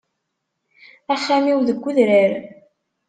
Axxam-iw deg udrar.